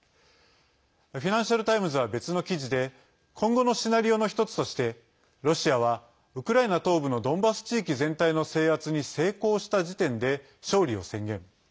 フィナンシャルタイムズは別の記事で今後のシナリオの１つとしてロシアはウクライナ東部のドンバス地域全体の制圧に成功した時点で、勝利を宣言。